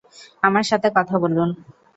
আমার সাথে কথা বলুন।